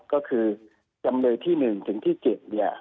ก็คือจำนวนที่๑ถึงที่๗